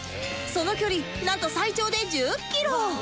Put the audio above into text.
その距離なんと最長で１０キロ